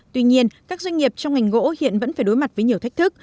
tuy nhiên các doanh nghiệp trong ngành gỗ hiện vẫn phải đối mặt với nhiều thách thức